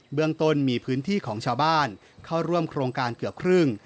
เมืองต้นมีพื้นที่ของชาวบ้านเข้าร่วมโครงการเกือบครึ่ง